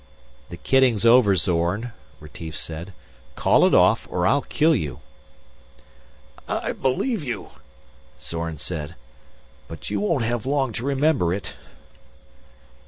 "The kidding's over, Zorn," Retief said. "Call it off or I'll kill you." "I believe you," Zorn said. "But you won't have long to remember it."